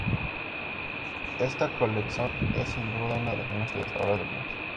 Esta colección es, sin duda, una de las menos estudiadas hasta ahora del museo.